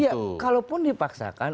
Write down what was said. ya kalaupun dipaksakan